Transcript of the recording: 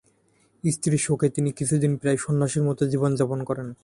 স্ত্রীর শোকে তিনি কিছুদিন প্রায় সন্ন্যাসীর মতো জীবনযাপন করেন।